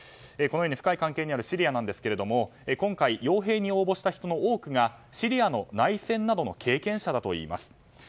このように深い関係にあるシリアですが今回、傭兵に応募した人の多くがシリアの内戦などの経験者だといいます。